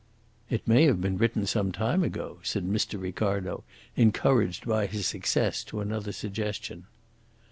"It may have been written some time ago," said Mr. Ricardo, encouraged by his success to another suggestion.